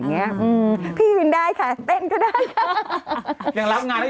มายังไม่ถึงขั้นนั้น